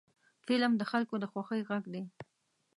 فلم د خلکو د خوښۍ غږ دی